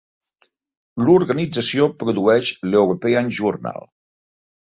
L'organització produeix l'European Journal.